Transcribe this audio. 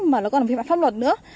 mà nó còn là một hành vi pháp luật nữa